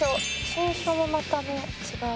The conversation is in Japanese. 新書もまたね違う」